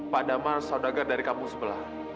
pak daman saudagar dari kampung sebelah